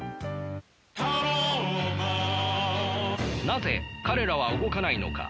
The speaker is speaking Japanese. なぜ彼らは動かないのか。